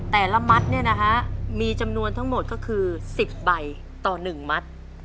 แต่ละมัดเนี่ยนะฮะมีจำนวนทั้งหมดก็คือ๑๐ใบต่อ๑มัด